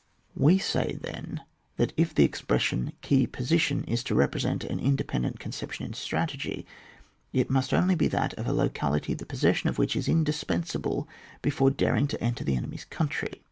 We say, then, that if the expression, key poaitiony is to represent an indepen dent conception in strategy, it must only be that of a locality the possession of which is indispensable before daring to enter the enemy's country.